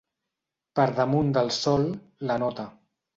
Per damunt del sol, la nota.